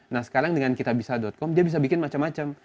nah sekarang dengan kitabisa com dia bisa bikin macam macam